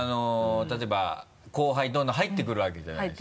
例えば後輩どんどん入ってくるわけじゃないですか。